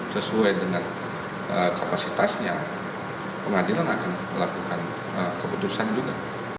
sesuai dengan kapasitasnya pengadilan akan melakukan keputusan juga